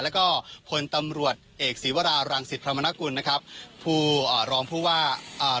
แล้วก็พลตำรวจเอกศีวรารังสิตพระมนกุลนะครับผู้อ่ารองผู้ว่าอ่า